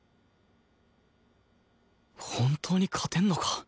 本当に勝てんのか？